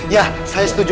ya saya setuju